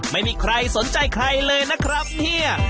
ไม่มีใครสนใจใครเลยนะครับเนี่ย